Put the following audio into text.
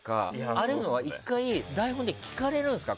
ああいうのは１回、台本で聞かれるんですか。